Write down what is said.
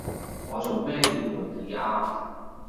我做咩要暪你呀？